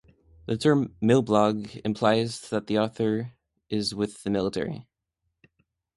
The term "milblog" implies that the author is with the military.